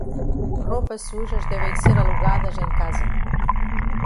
Roupas sujas devem ser alugadas em casa.